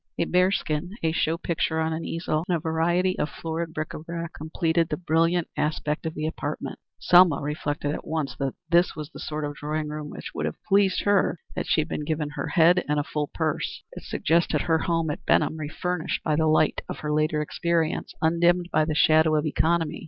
A bear skin, a show picture on an easel, and a variety of florid bric à brac completed the brilliant aspect of the apartment. Selma reflected at once that that this was the sort of drawing room which would have pleased her had she been given her head and a full purse. It suggested her home at Benham refurnished by the light of her later experience undimmed by the shadow of economy.